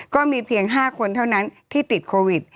ก็มีเพียง๕คนเท่านั้นที่ติดโควิด